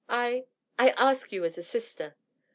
I — ^I ask you as a sister."